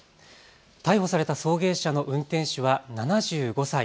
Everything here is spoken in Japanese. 逮捕された送迎車の運転手は７５歳。